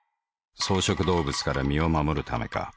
草食動物から身を護るためか。